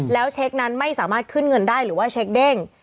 แล้วเช็คนั้นไม่สามารถขึ้นเงินได้หรือว่าเช็คเด้ง